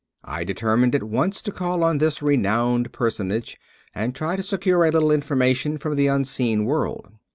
I determined at once to call on this renowned personage, and try to secure a little information from the unseen world.